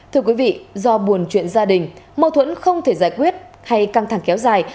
thưa quý vị do buồn chuyện gia đình mâu thuẫn không thể giải quyết hay căng thẳng kéo dài